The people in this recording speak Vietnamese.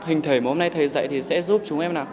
hình thể mà hôm nay thầy dạy thì sẽ giúp chúng em làm